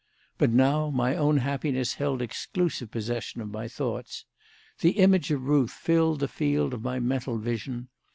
But now my own happiness held exclusive possession of my thoughts. The image of Ruth filled the field of my mental vision.